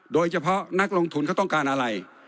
โดยเฉพาะนักลงทุนเขาต้องการอะไร